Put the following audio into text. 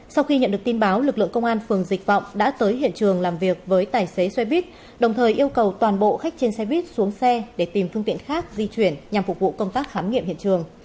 sau khi nhận được tin báo lực lượng công an phường dịch vọng đã tới hiện trường làm việc với tài xế xe buýt đồng thời yêu cầu toàn bộ khách trên xe buýt xuống xe để tìm phương tiện khác di chuyển nhằm phục vụ công tác khám nghiệm hiện trường